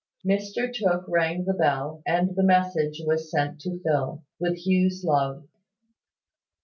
Mr Tooke rang the bell; and the message was sent to Phil, with Hugh's love.